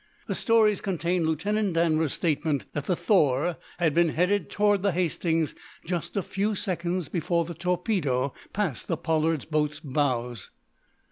The stories contained Lieutenant Danvers's statement that the "Thor" had been headed toward the "Hastings" just a few seconds before the torpedo passed the Pollard boat's bows.